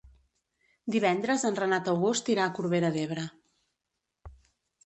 Divendres en Renat August irà a Corbera d'Ebre.